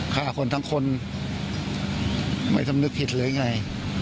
ฆ่าคนทั้งคนไม่สำนึกผิดหรือยังไง